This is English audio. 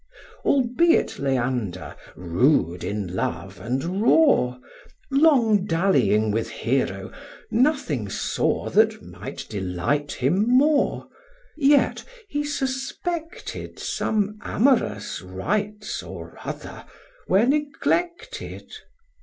Albeit Leander, rude in love and raw, Long dallying with Hero, nothing saw That might delight him more, yet he suspected Some amorous rites or other were neglected.